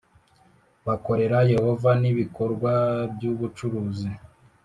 bakorera Yehova n ibikorwa by ubucuruzi